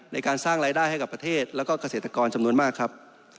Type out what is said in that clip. ในการสร้างรายได้ให้กับประเทศแล้วก็เกษตรกรจำนวนมากครับ